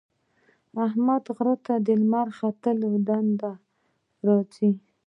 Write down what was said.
احمد غره ته لمر ختلی له دندې ارځي.